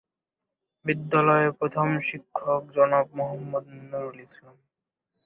বিদ্যালয়ের প্রধান শিক্ষক জনাব মোহাম্মদ নুরুল ইসলাম।